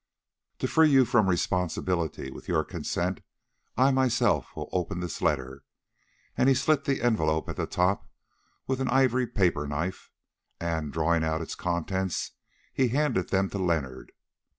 To free you from responsibility, with your consent I myself will open this letter," and he slit the envelope at the top with an ivory paper knife, and, drawing out its contents, he handed them to Leonard.